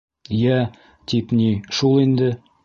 - Йә, тип ни, шул инде.